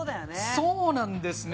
そうなんですね。